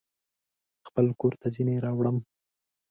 خپل کورته ځینې راوړم